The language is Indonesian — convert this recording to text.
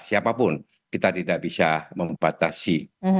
siapapun kita tidak bisa membatasi